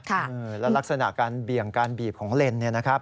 แล้วลักษณะการเบี่ยงการบีบของเลนเนี่ยนะครับ